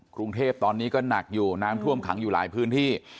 กรุงเทพตอนนี้ก็หนักอยู่น้ำท่วมขังอยู่หลายพื้นที่